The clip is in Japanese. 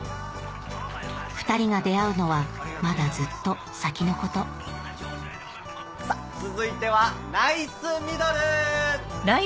ふたりが出会うのはまだずっと先のことさぁ続いてはナイスミドル！